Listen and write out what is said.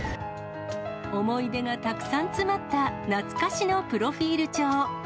思い出がたくさん詰まった懐かしのプロフィール帳。